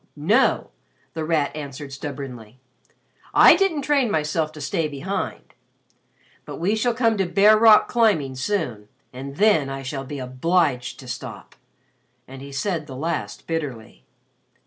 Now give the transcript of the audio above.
"No!" The Rat answered stubbornly. "I didn't train myself to stay behind. But we shall come to bare rock climbing soon and then I shall be obliged to stop," and he said the last bitterly.